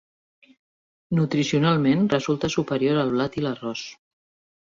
Nutricionalment resulta superior al blat i l'arròs.